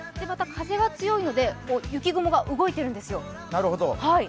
また風が強いので、雪雲が動いているんですよ。